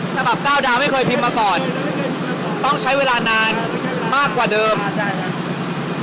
ฉบับเก้าดาวไม่เคยพิมพ์มาก่อนต้องใช้เวลานานมากกว่าเดิมใช่ครับ